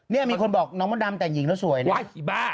เนี่ยมีคนบอกน้องมดดำแต่งหญิงแล้วสวยนะไหว้ผีบ้า